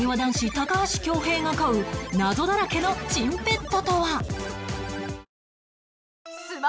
高橋恭平が飼う謎だらけの珍ペットとは？